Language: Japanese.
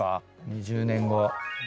２０年後。